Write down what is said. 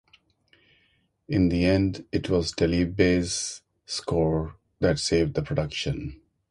In the end it was Delibes' score that saved the production.